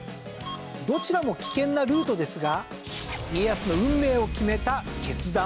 どちらも危険なルートですが家康の運命を決めた決断は？